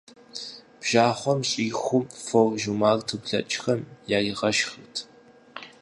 Бжьахъуэм щӀиху фор жумарту блэкӀхэм яригъэшхырт.